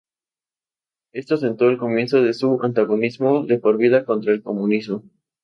Esto sentó el comienzo de su antagonismo de por vida contra el comunismo.